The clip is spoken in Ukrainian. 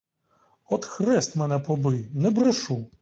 От хрест мене побий, не брешу!